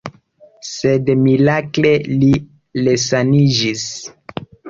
Sed mirakle li resaniĝis.